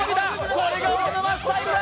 これが大沼スタイルだ。